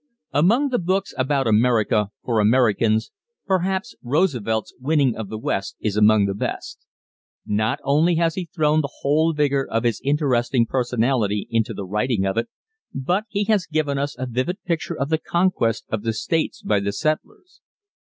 Among the books about America for Americans perhaps Roosevelt's "Winning of the West" is among the best. Not only has he thrown the whole vigor of his interesting personality into the writing of it, but he has given us a vivid picture of the conquest of the States by the settlers.